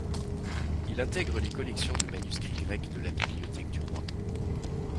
Il intègre les collections de manuscrits grecs de la bibliothèque du roi.